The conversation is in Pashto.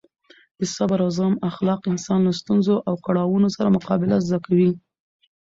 د صبر او زغم اخلاق انسان له ستونزو او کړاوونو سره مقابله زده کوي.